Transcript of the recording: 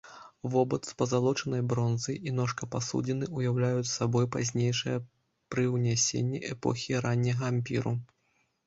Вобад з пазалочанай бронзы і ножка пасудзіны ўяўляюць сабой пазнейшыя прыўнясенні эпохі ранняга ампіру.